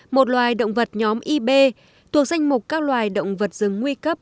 một loài động vật nhóm yb thuộc danh mục các loài động vật dừng nguy cấp